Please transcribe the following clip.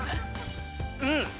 ◆うん！